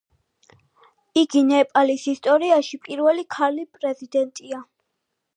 იგი ნეპალის ისტორიაში პირველი ქალი პრეზიდენტია.